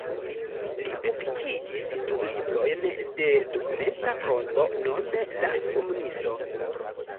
Li publikigis du librojn de dokumenta prozo, nome "La Komunisto".